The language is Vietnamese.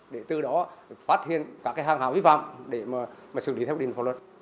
để từ đó phát hiện các hàng hào vi phạm để xử lý theo quy định phòng luật